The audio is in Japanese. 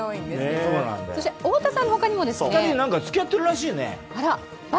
太田さんの他にも２人、つきあってるらしいね。